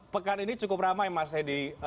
pekan ini cukup ramai mas edi